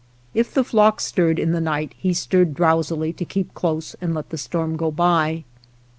If the flock stirred in the night he stirred drowsily to keep close and let the storm go by.